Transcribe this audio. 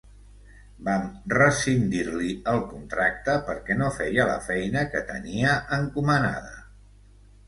Vam rescindir-li el contracte perquè no feia la feina que tenia encomanada.